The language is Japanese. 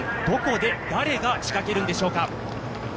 どこで誰が仕掛けるんでしょうか。